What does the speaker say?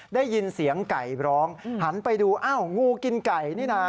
ได้ยินเสียงไก่ร้องหันไปดูอ้าวงูกินไก่นี่นะ